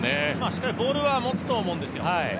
しっかりボールは持つと思うんですよ。